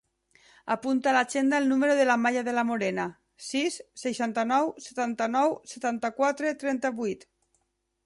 Apunta a l'agenda el número de l'Amaya De La Morena: sis, seixanta-nou, setanta-nou, setanta-quatre, trenta-vuit.